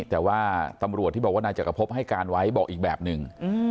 แต่ว่าตำรวจที่บอกว่านายจักรพบให้การไว้บอกอีกแบบหนึ่ง